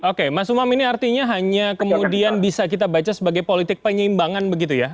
oke mas umam ini artinya hanya kemudian bisa kita baca sebagai politik penyeimbangan begitu ya